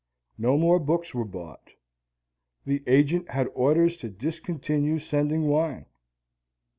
No more books were bought. The agent had orders to discontinue sending wine.